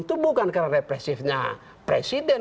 itu bukan karena represifnya presiden